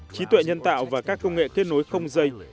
trí tuệ nhân tạo và các công nghệ kết nối không dây